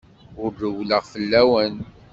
Ur rewwleɣ fell-awen.